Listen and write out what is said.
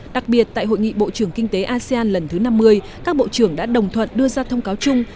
đặc biệt tại hội nghị bộ trưởng kinh tế asean lần thứ năm mươi các bộ trưởng đã đồng thuận đưa ra thông cáo chung